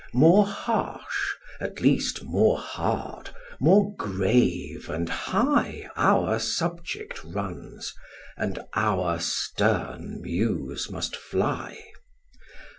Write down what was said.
More harsh, at least more hard, more grave and high Our subject runs, and our stern Muse must fly.